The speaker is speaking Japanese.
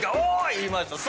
言いました。